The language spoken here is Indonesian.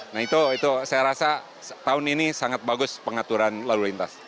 nah itu saya rasa tahun ini sangat bagus pengaturan lalu lintas